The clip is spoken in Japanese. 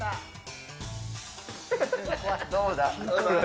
どうだ？